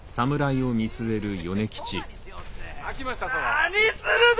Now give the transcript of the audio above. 何するだ！